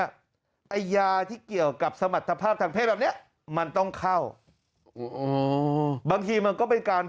ไอ้ยาที่เกี่ยวกับสมรรถภาพทางเพศแบบเนี้ยมันต้องเข้าบางทีมันก็เป็นการ